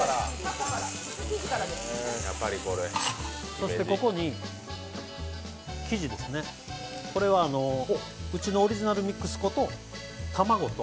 そしてここに生地ですね、これはうちのオリジナルミックス粉と卵と